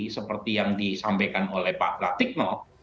seperti yang disampaikan oleh pak pratikno